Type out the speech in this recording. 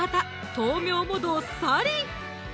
豆苗もどっさり！